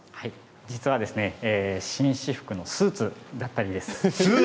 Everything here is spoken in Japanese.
実は紳士服のスーツだったんです。